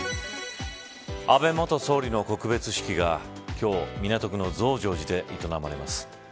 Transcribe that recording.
安倍元総理の告別式が今日港区の増上寺で営まれます。